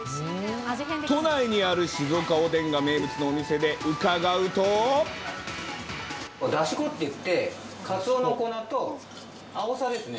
都内にある静岡おでんが名物だし粉っていって、カツオの粉とあおさですね。